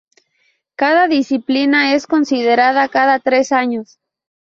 Cada disciplina es considerada cada tres años.